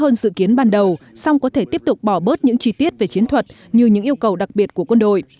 hơn dự kiến ban đầu song có thể tiếp tục bỏ bớt những chi tiết về chiến thuật như những yêu cầu đặc biệt của quân đội